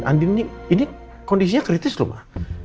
andin ini kondisinya kritis loh pak